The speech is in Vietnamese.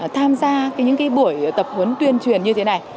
tham gia những buổi tập huấn tuyên truyền như thế này